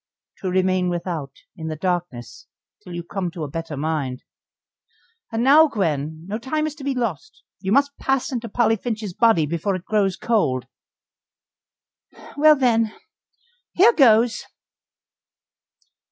"To remain without in the darkness till you come to a better mind. And now, Gwen, no time is to be lost; you must pass into Polly Finch's body before it grows cold." "Well, then here goes!"